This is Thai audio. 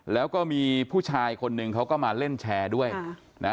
แล้วก็มีผู้ชายคนหนึ่งเขาก็มาเล่นแชร์ด้วยนะ